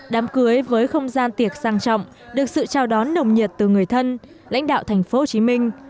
đám cưới với không gian tiệc sang trọng được sự chào đón nồng nhiệt từ người thân lãnh đạo thành phố hồ chí minh